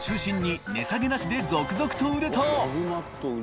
羶瓦値下げなしで続々と売れた△